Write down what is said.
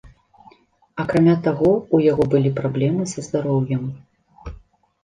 Акрамя таго, у яго былі праблемы са здароўем.